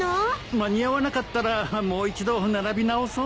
間に合わなかったらもう一度並び直そう。